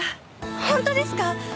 ホントですか！